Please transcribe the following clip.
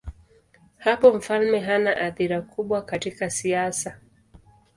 Hapo mfalme hana athira kubwa katika siasa.